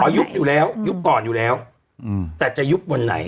ยุบอยู่แล้วยุบก่อนอยู่แล้วแต่จะยุบวันไหน